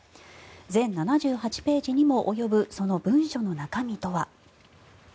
全７８ページにも及ぶその文書の中身とは。